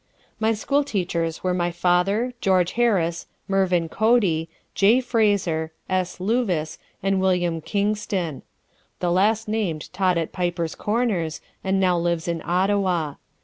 "My school teachers were my father, George Harris, Mervin Cody, J. Fraser, S. Luvis and Wm. Kingston. The last named taught at Piper's Corners, and now lives in Ottawa.